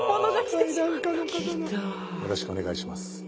よろしくお願いします。